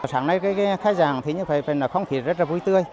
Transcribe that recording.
sáng nay khai giảng thì không thể rất là vui tươi